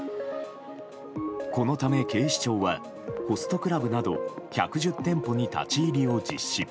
このため、警視庁はホストクラブなど１１０店舗に立ち入りを実施。